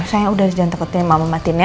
sayang udah jangan takutin mama matiin ya